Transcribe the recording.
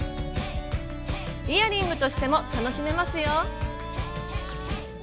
イヤリングとしても楽しめますよ。